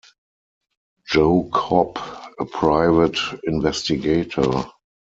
Joe Copp, a private investigator.